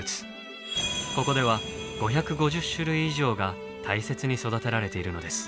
ここでは５５０種類以上が大切に育てられているのです。